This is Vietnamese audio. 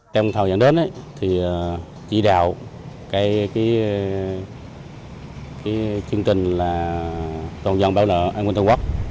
tên thầu dân đến thì chỉ đào cái chương trình là tổng dòng báo lợi an nguồn thông quốc